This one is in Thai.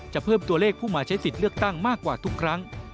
เพิ่มตัวเลขผู้มาใช้สิทธิ์เลือกตั้งมากกว่าทุกครั้ง